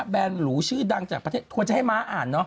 แบรนด์หรูชื่อดังจากต้องก็ให้ม้าอ่าน